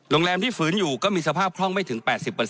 โรงแรมที่ฝืนอยู่ก็มีสภาพคล่องไม่ถึง๘๐